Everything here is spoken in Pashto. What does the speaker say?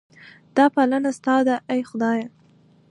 دا پالنه ستا ده ای خدایه.